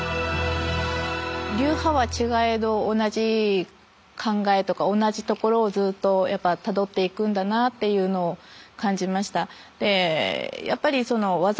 流派は違えど同じ考えとか同じところをずっとやっぱたどっていくんだなっていうのを感じました。